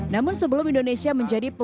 namun sebelum indonesia memiliki kekuatan